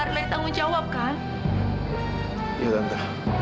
saya dipecat tante